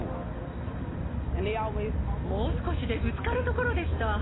もう少しでぶつかるところでした。